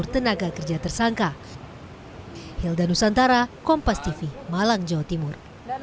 tidak ada yang mendengar